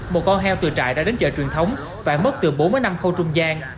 một con heo từ trại ra đến chợ truyền thống và mất từ bốn mươi năm khâu trung gian